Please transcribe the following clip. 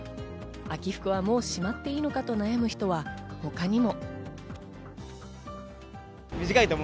秋服はもうしまっていいのかと悩む人は他にも。